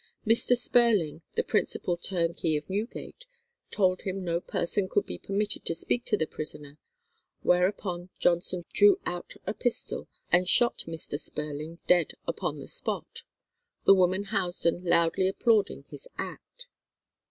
Mr. Spurling, the principal turnkey of Newgate, told him no person could be permitted to speak to the prisoner, whereupon Johnson drew out a pistol and shot Mr. Spurling dead upon the spot, the woman Housden loudly applauding his act.